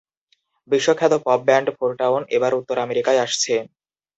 বিশ্বখ্যাত pop band ফোরটাউন, এবার উত্তর আমেরিকায় আসছে।